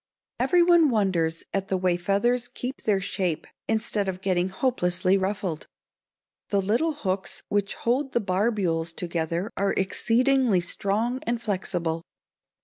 Every one wonders at the way feathers keep their shape instead of getting hopelessly ruffled. The little hooks which hold the barbules together are exceedingly strong and flexible.